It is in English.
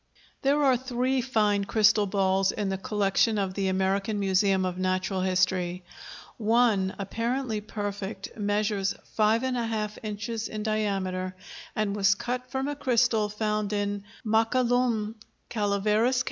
There are three fine crystal balls in the collection of the American Museum of Natural History. One, apparently perfect, measures 5½ inches in diameter and was cut from a crystal found in Mokolumne, Calaveras Co.